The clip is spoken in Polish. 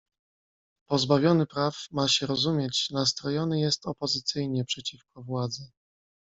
"Pozbawiony praw, ma się rozumieć, nastrojony jest opozycyjnie przeciwko władzy."